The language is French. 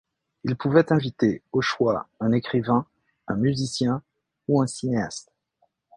Il pouvait inviter, au choix, un écrivain, un musicien ou un cinéaste.